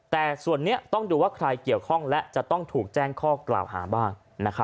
แต่ส่วนนี้ต้องดูว่าใครเกี่ยวข้องและจะต้องถูกแจ้งข้อกล่าวหาบ้าง